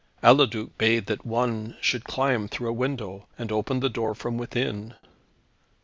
Eliduc bade that one should climb through a window, and open the door from within.